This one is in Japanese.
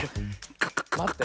まって。